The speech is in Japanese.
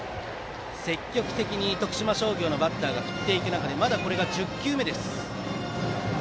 積極的に徳島商業のバッターが振っていく中でまだこれが１０球目でした。